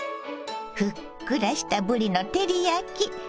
ふっくらしたぶりの照り焼き。